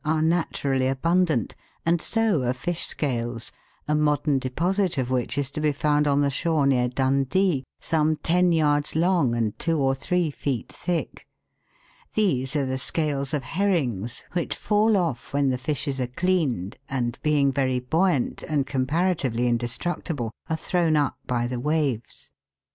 are naturally abun dant, and so are fish scales, a modern deposit of which is to be found on the shore near Dundee, some ten yards long, and two or three feet thick. These are the scales of herrings, which fall off when the fishes are cleaned, and, being very buoyant, and comparatively indestructible, are thrown up by the waves.